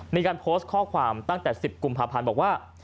มีการโพสต์ข้อความตั้งแต่๑๐กุมภาพันธ์บอกว่า